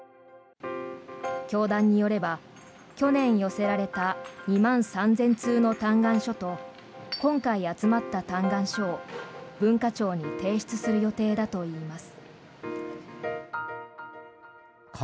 教団によれば去年寄せられた２万３０００通の嘆願書と今回集まった嘆願書を文化庁に提出する予定だといいます。